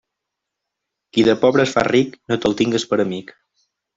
Qui de pobre es fa ric, no te'l tingues per amic.